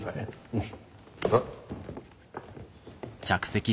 うん。